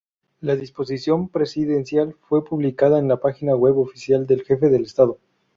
La disposición presidencial fue publicada en la página web oficial del jefe del Estado.